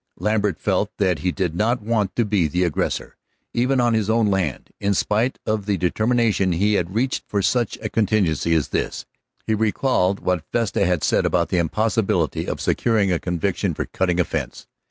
Lambert felt that he did not want to be the aggressor, even on his own land, in spite of the determination he had reached for such a contingency as this. He recalled what Vesta had said about the impossibility of securing a conviction for cutting a fence.